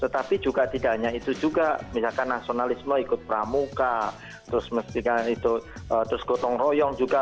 tetapi juga tidak hanya itu juga misalkan nasionalisme ikut pramuka terus mestikan itu terus gotong royong juga